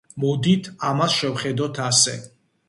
მოდით, ამას შევხედოთ ასე.